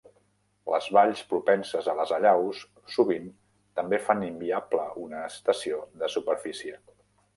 Les valls propenses a les allaus sovint també fan inviable una estació de superfície.